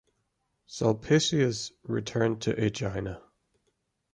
Sulpicius returned to Aegina.